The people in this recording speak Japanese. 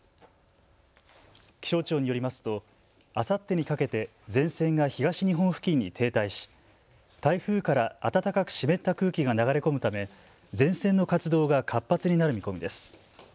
気象庁によりますとあさってにかけて前線が東日本付近に停滞し台風から暖かく湿った空気が流れ込むため前線の活動が活発になる見込みです。